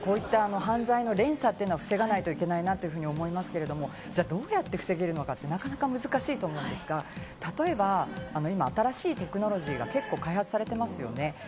こういった犯罪の連鎖を防がないといけないなと思いますけれど、じゃあ、どうやって防げるのか、なかなか難しいと思うんですが、例えば今、新しいテクノロジーが結構開発されてますよね。